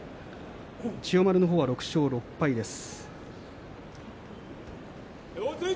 千代丸は６勝６敗です。